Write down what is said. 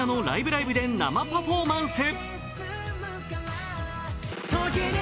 ライブ！」で生パフォーマンス。